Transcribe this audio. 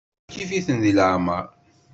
Kifkif-iten di leɛmeṛ.